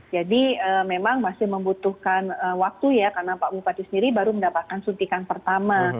jadi memang masih membutuhkan waktu ya karena pak bupati sendiri baru mendapatkan suntikan pertama